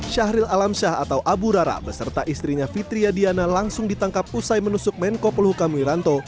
syahril alamsyah atau abu rara beserta istrinya fitriya diana langsung ditangkap usai menusuk menko polhukam wiranto